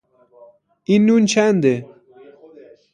این نون چنده؟